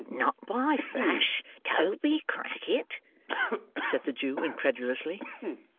"Not by flash Toby Crackit?" said the Jew incredulously.